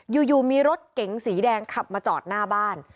อยู่มีรถเก๋งสีแดงขับมาจอดหน้าบ้าน